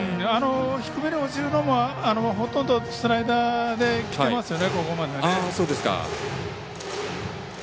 低めに落ちるのもほとんどスライダーできてますよね